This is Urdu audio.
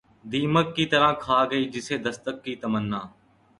دیمک کی طرح کھا گئی جسے دستک کی تمنا